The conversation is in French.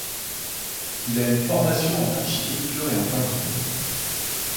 Il a une formation en architecture et en peinture.